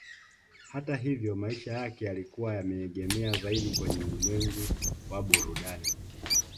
Hata hivyo maisha yake yalikuwa yameegemea zaidi kwenye ulimwengu wa burudani